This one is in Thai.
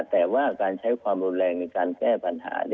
แต่ว่าการใช้ความรุนแรงในการแก้ปัญหา